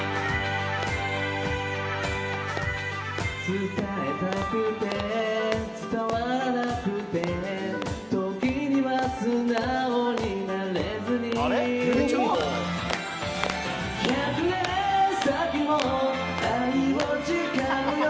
伝えたくて伝わらなくて時には素直になれずに百年先も愛を誓うよ